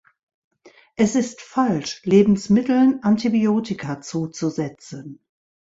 Es ist falsch, Lebensmitteln Antibiotika zuzusetzen.